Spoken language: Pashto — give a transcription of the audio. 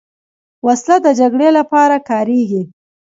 وسله د جګړې لپاره کارېږي